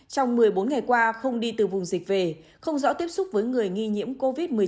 trong một mươi bốn ngày qua không đi từ vùng dịch về không rõ tiếp xúc với người nghi nhiễm covid một mươi chín